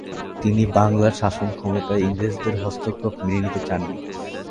তিনি বাংলার শাসন ক্ষমতায় ইংরেজদের হস্তক্ষেপ মেনে নিতে চাননি।